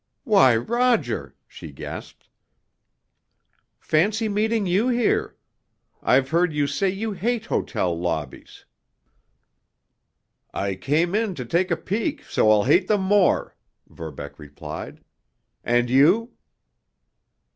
"Why, Roger!" she gasped. "Fancy meeting you here! I've heard you say you hate hotel lobbies." "I came in to take a peek so I'll hate them more," Verbeck replied. "And you?"